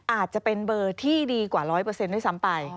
อาจจะเป็นเบอร์ที่ดีกว่า๑๐๐ด้วยซ้ำไป